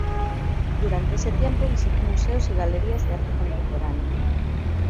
Durante ese tiempo visitó museos y galerías de arte contemporáneo.